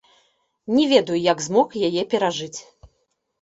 Не ведаю, як змог яе перажыць.